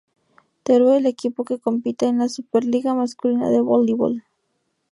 Teruel equipo que compite en la Superliga Masculina de Voleibol.